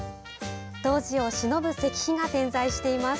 当時をしのぶ石碑が点在しています。